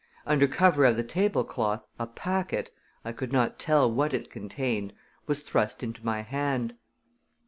Under cover of the tablecloth a packet I could not tell what it contained was thrust into my hand.